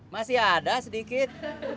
masih ada sedikit